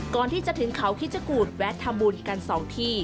ก่อนที่จะถึงเขาคิดจกูธแวะทำบุญกัน๒ที่